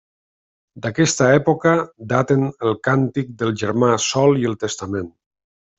D'aquesta època daten el Càntic del germà Sol i el Testament.